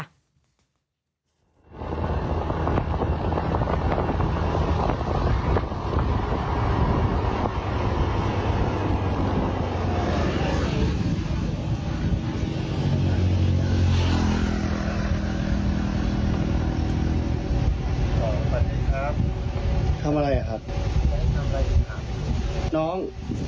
สวัสดีครับทำอะไรครับน้อง